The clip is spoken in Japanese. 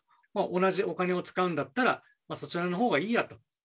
同じお金を使うんだったら、そちらのほうがいいやと。